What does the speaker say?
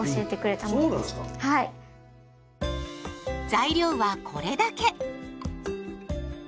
材料はこれだけ。